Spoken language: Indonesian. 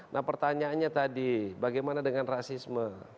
nah pertanyaannya tadi bagaimana dengan rasisme